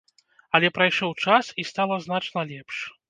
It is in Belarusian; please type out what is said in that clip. Але прайшоў час, і стала значна лепш.